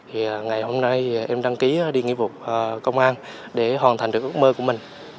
thì ngày hôm nay em đăng ký đi nghiệp vụ công an để hoàn thành được ước mơ của mình